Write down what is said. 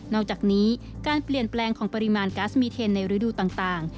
อกจากนี้การเปลี่ยนแปลงของปริมาณก๊าซมีเทนในฤดูต่าง